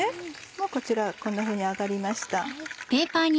もうこちらこんなふうに揚がりました。